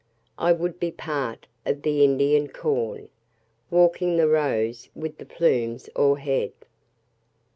I would be part of the Indian corn, Walking the rows with the plumes o'erhead.